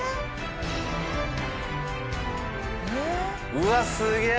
うわっすげえ！